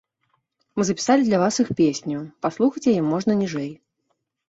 Мы запісалі для вас іх песню, паслухаць яе можна ніжэй.